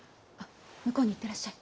向こうに行ってらっしゃい。